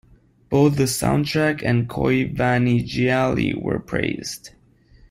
Both the soundtrack and "Coi Vanni Gialli" were praised.